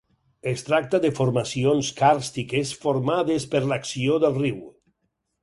Es tracta de formacions càrstiques formades per l'acció del riu.